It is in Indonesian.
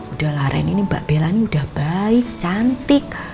udah lah ren ini mbak belanya udah baik cantik